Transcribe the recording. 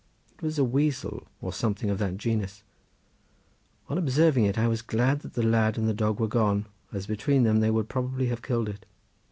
It was a weasel or something of that genus; on observing it I was glad that the lad and the dog were gone, as between them they would probably have killed it.